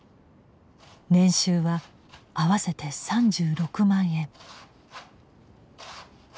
年収は合わせて３６万円。